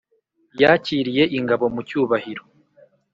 yakiriye ingabo mu cyubahiro.